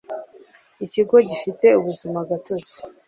Ikigo gifite ubuzima gatozi